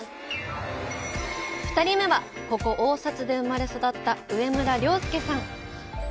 ２人目は、ここ相差で生まれ育った上村領佑さん。